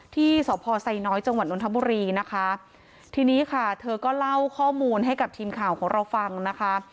ที่สพไซน้อยจังหวัดนทบุรีนะคะทีนี้ค่ะเธอก็เล่าข้อมูลให้กับทีมข่าวของเราฟังนะคะ